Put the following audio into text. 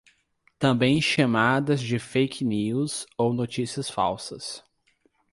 Também chamadas de fake news ou notícias falsas